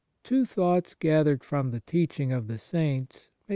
Two thoughts gathered from the teaching of the Saints may be of 1 Jas.